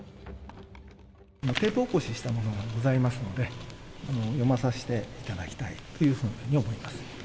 テープ起こししたものがございますので、読まさせていただきたいというふうに思います。